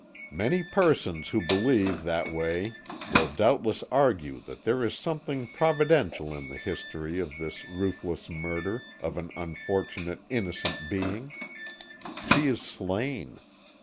"Many persons who believe that way will doubtless argue that there is something providential in the history of this ruthless murder of an unfortunate innocent being. She is slain.